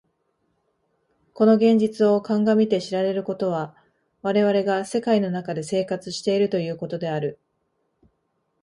この現実を顧みて知られることは、我々が世界の中で生活しているということである。